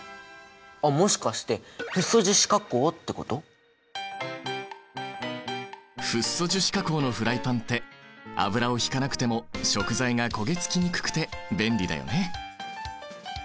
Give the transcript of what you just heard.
あっもしかしてフッ素樹脂加工のフライパンって油を引かなくても食材が焦げ付きにくくて便利だよね。